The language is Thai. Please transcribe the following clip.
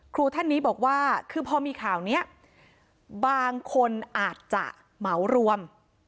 ครูท่านนี้บอกว่าคือพอมีข่าวนี้บางคนอาจจะเหมารวม